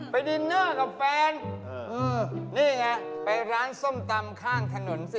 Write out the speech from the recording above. ดินเนอร์กับแฟนนี่ไงไปร้านส้มตำข้างถนนสิ